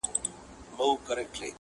ای د اسلام لباس کي پټ یهوده,